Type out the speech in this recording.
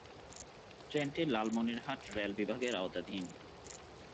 ট্রেনটি লালমনিরহাট রেল বিভাগের আওতাধীন।